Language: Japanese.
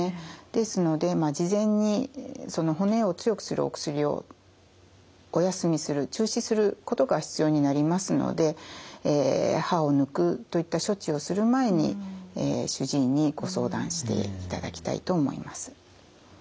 ですので事前に骨を強くするお薬をお休みする中止することが必要になりますので歯を抜くといった処置をする前に主治医にご相談していただきたいと思います。